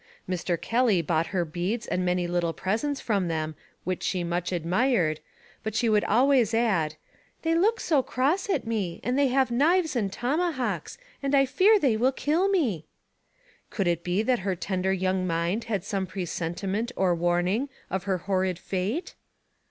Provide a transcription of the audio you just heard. Mr. 22 NARRATIVE OF CAPTIVITY Kelly bought her beads and many little presents from them which she much admired, but she would always add, "They look so cross at me and they have knives and tomahawks, and I fear they will kill me." Could it be that her tender young mind had some presenti ment or warning of her horrid fate?